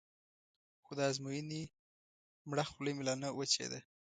خو د ازموینې مړه خوله مې لا نه وچېده.